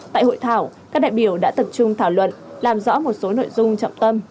tại hội thảo các đại biểu đã tập trung thảo luận làm rõ một số nội dung trọng tâm